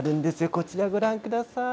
こちらをご覧ください。